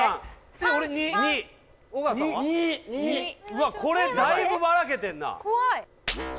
うわこれだいぶバラけてんな